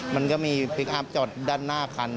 มันก็มีพลิกอัพจอดด้านหน้าคัน